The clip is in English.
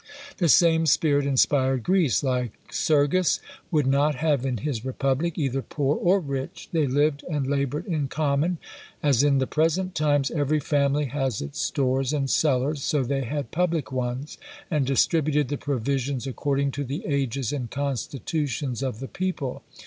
The same spirit inspired Greece. Lycurgus would not have in his republic either poor or rich: they lived and laboured in common. As in the present times, every family has its stores and cellars, so they had public ones, and distributed the provisions according to the ages and constitutions of the people.